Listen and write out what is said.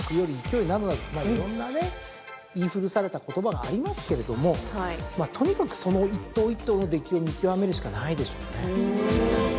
いろんな言い古された言葉がありますけれどもとにかくその一頭一頭の出来を見極めるしかないでしょうね。